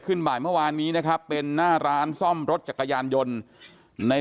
บ่ายเมื่อวานนี้นะครับเป็นหน้าร้านซ่อมรถจักรยานยนต์ใน